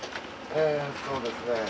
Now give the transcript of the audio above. えそうですね